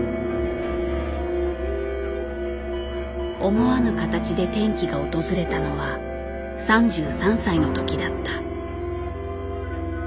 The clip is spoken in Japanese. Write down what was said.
思わぬ形で転機が訪れたのは３３歳のときだった。